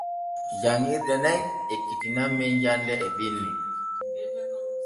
Janŋirde nen ekkitinan men jande binni.